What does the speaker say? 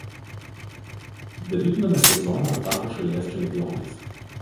Debiutiniame sezone tapo šalies čempionais.